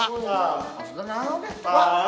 maksudnya gak ada